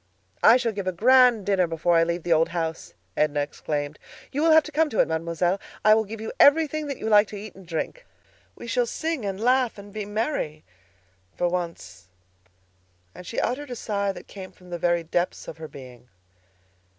"I shall give a grand dinner before I leave the old house!" Edna exclaimed. "You will have to come to it, Mademoiselle. I will give you everything that you like to eat and to drink. We shall sing and laugh and be merry for once." And she uttered a sigh that came from the very depths of her being.